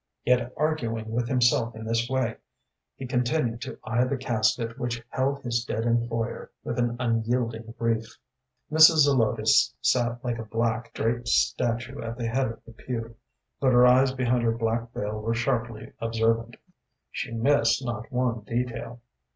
Yet arguing with himself in this way, he continued to eye the casket which held his dead employer with an unyielding grief. Mrs. Zelotes sat like a black, draped statue at the head of the pew, but her eyes behind her black veil were sharply observant. She missed not one detail.